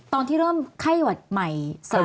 ตอนที่เริ่มไข้หวัดใหม่